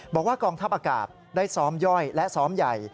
บอกว่ากองทัพอากาศได้ซ้อมย่อยและซ้อมใหญ่